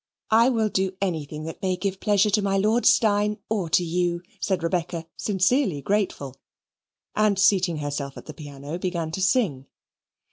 "I will do anything that may give pleasure to my Lord Steyne or to you," said Rebecca, sincerely grateful, and seating herself at the piano, began to sing.